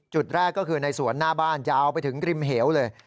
จุดแรกก็คือในสวนหน้าบ้านยาวไปถึงริมเหวเลย